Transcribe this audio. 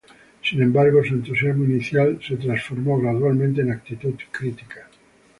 Sin embargo, su entusiasmo inicial fue transformándose gradualmente en actitud crítica.